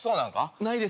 ないですよ。